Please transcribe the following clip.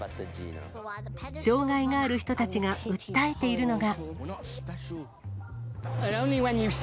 障がいがある人たちが訴えているのが。